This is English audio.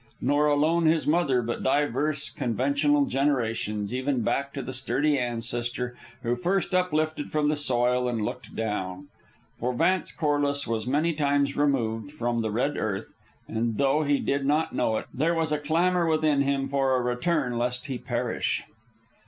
Nor alone his mother, but divers conventional generations, even back to the sturdy ancestor who first uplifted from the soil and looked down. For Vance Corliss was many times removed from the red earth, and, though he did not know it, there was a clamor within him for a return lest he perish.